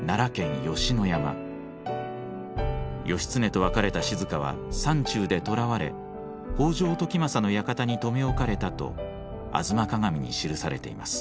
義経と別れた静は山中で捕らわれ北条時政の館に留め置かれたと「吾妻鏡」に記されています。